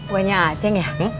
uangnya a ceng ya